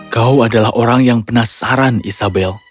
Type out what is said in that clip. kau adalah orang yang penasaran isabel